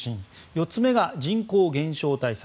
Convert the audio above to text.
４つ目が人口減少対策。